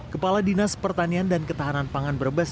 kepala dinas pertanian dan ketahanan pangan brebes